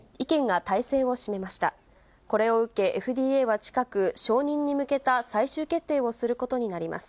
これを受け、ＦＤＡは近く、承認に向けた最終決定をすることになります。